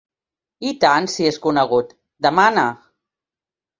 I tant si és conegut, demana!